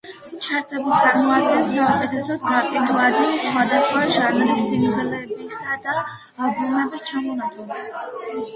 ჩარტები წარმოადგენს საუკეთესოდ გაყიდვადი სხვადასხვა ჟანრის სინგლებისა და ალბომების ჩამონათვალს.